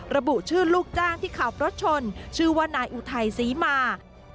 ระบุชื่อลูกจ้างที่ขับรถชนชื่อว่านายอุทัยศรีมา